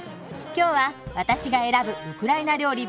今日は私が選ぶウクライナ料理